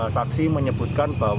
saksi menyebutkan bahwa